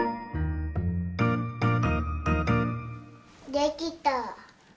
できた。